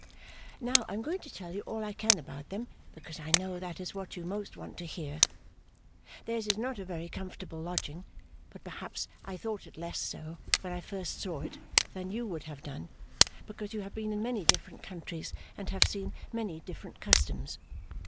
Now I am going to tell you all I can about them, because I know that is what you most want to hear. Theirs is not a very comfortable lodging, but perhaps I thought it less so when I first saw it than you would have done, because you have been in many different countries and have seen many different customs.